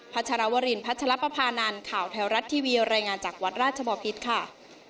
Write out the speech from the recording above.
ชรวรินพัชรปภานันข่าวแถวรัฐทีวีรายงานจากวัดราชบอพิษค่ะ